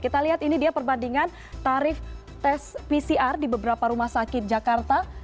kita lihat ini dia perbandingan tarif tes pcr di beberapa rumah sakit jakarta